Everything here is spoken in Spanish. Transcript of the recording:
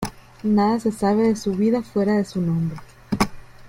Nada se sabe de su vida fuera de su nombre.